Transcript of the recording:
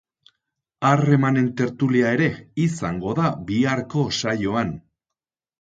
Harremanen tertulia ere izango da biharko saioan.